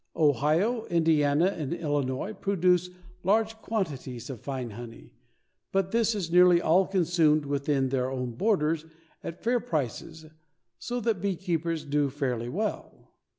Ohio, Indiana and Illinois produce large quantities of fine honey, but this is nearly all consumed within their own borders at fair prices so that beekeepers do fairly well.